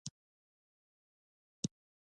رابرټ لو په ځواب کې ورته ولیکل.